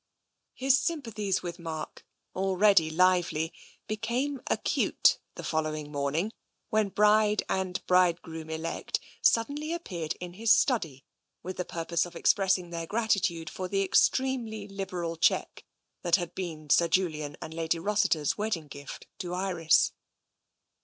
His sympathies with Mark, already lively, became acute the following morning when bride and bride groom elect suddenly appeared in his study with the TENSION 171 purpose of expressing their gratitude for the extremely liberal cheque that had been Sir Julian and Lady Ros siter's wedding gift to Iris.